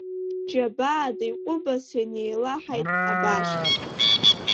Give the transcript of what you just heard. Џьабаада иҟәыбаса инеилаҳаит абааш.